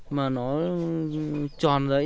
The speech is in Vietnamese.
mà nó tròn rồi